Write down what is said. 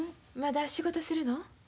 まだ仕事するの？